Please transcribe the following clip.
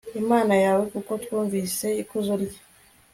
imana yawe, kuko twumvise ikuzo rye